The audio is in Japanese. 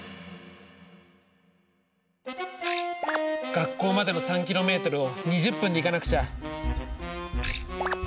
学校までの３ｋｍを２０分で行かなくちゃ！